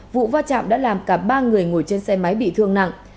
vụ va chạm đã làm cả ba người ngồi trên xe máy bị thương nặng